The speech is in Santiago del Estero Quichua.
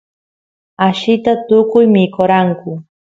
allita tukuy mikoranku